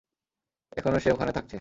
এখনো সে ওখানে থাকছে।